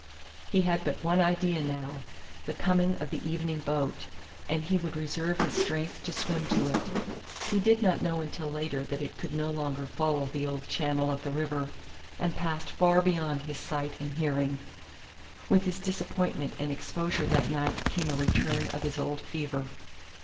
He had but one idea now the coming of the evening boat, and he would reserve his strength to swim to it. He did not know until later that it could no longer follow the old channel of the river, and passed far beyond his sight and hearing. With his disappointment and exposure that night came a return of his old fever.